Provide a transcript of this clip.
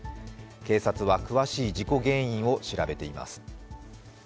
警察は詳しい事故原因を調べています。